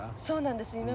そうなんです。